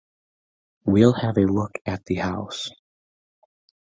We'll have a look at the House.